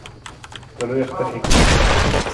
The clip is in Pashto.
د لوی اختر حکمت